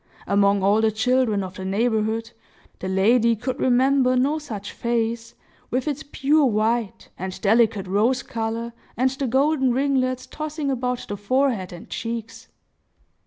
Among all the children of the neighborhood, the lady could remember no such face, with its pure white, and delicate rose color, and the golden ringlets tossing about the forehead and cheeks.